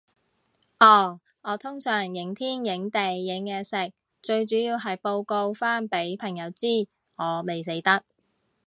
哦，我通常影天影地影嘢食，最主要係報告返畀朋友知，我未死得